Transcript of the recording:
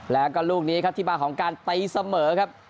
แล้วก็ลูกนี้ครับที่มาของการตีเสมอครับ